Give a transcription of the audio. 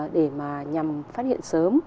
để mà nhằm phát hiện sớm